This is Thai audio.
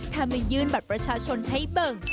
ถ้าไม่ยื่นบัตรประชาชนให้เบิ่ง